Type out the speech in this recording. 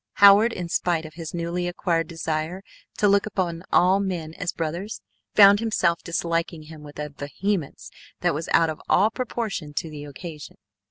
Howard, in spite of his newly acquired desire to look upon all men as brothers, found himself disliking him with a vehemence that was out of all proportion to the occasion.